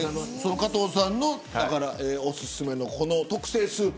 加藤さんのお薦めの特製スープ。